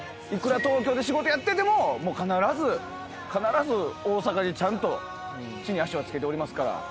いくら東京で仕事やってても必ず必ず大阪にちゃんと地に足は着けておりますから。